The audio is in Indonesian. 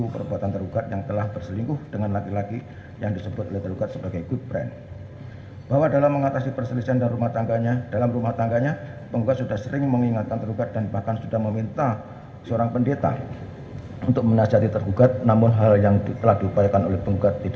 pertama penggugat akan menerjakan waktu yang cukup untuk menerjakan si anak anak tersebut yang telah menjadi ilustrasi